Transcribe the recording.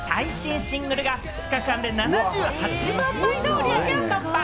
おとといリリースした、最新シングルが２日間で７８万枚の売り上げを突破。